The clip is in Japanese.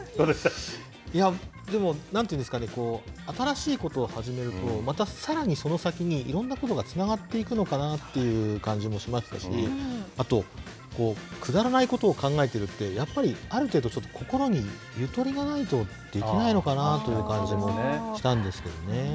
いや、でも、なんていうんですかね、新しいことを始めると、またさらに、その先にいろんなことがつながっていくのかなっていう感じもしましたし、あと、くだらないことを考えているって、やっぱりある程度、心にゆとりがないとできないのかなという感じもしたんですけどね。